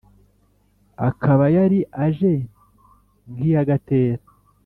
akaba yari aje nk’iya gatera